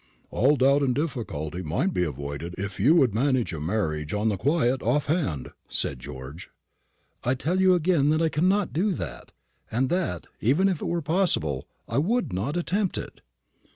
"All doubt and difficulty might be avoided if you would manage a marriage on the quiet off hand," said George. "I tell you again that I cannot do that; and that, even if it were possible, I would not attempt it."